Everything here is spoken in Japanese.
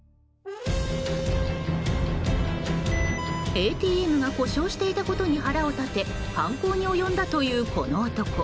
ＡＴＭが故障していたことに腹を立て犯行に及んだというこの男。